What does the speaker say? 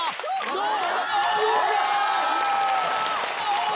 どう？